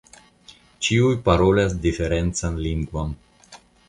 Ĉiuj parolas diferencan lingvon.